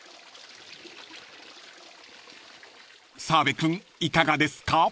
［澤部君いかがですか？］